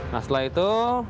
nah setelah itu